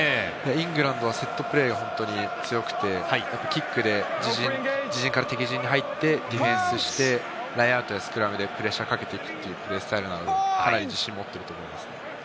イングランドはセットプレーが強くて、キックで自陣から敵陣に入ってディフェンスして、ラインアウトでスクラムでプレッシャーをかけていくというプレースタイルなので、かなり自信を持っていると思います。